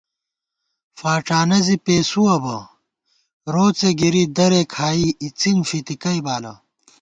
فاڄانہ زی پېسُوَہ بہ، روڅےگِری درے کھائی اِڅِن فِتِکَئ بالہ